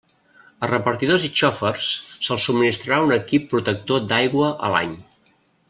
A repartidors i xofers se'ls subministrarà un equip protector d'aigua a l'any.